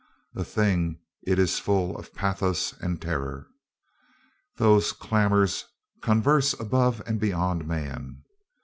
A thing it is full of pathos and terror. Those clamours converse above and beyond man.